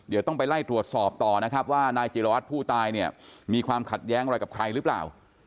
เดี๋ยวต้องไปไล่ตรวจสอบต่อนะครับว่านายจิรวัตรผู้ตายเนี่ยมีความขัดแย้งอะไรกับใครหรือเปล่า